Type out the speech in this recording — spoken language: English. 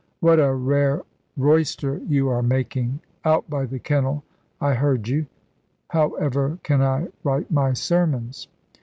"What a rare royster you are making! Out by the kennel I heard you. However can I write my sermons?"